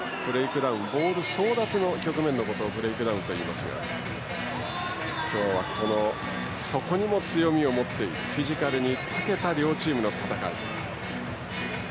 ボール争奪の局面のことをブレイクダウンといいますがそこにも強みを持っているフィジカルにたけた両チームの戦い。